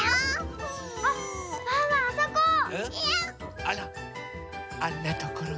あらあんなところに。